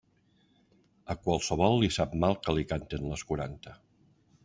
A qualsevol li sap mal que li canten les quaranta.